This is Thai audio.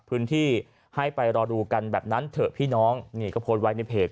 พื้นที่ให้ไปรอดูกันแบบนั้นเถอะพี่น้องนี่ก็โพสต์ไว้ในเพจ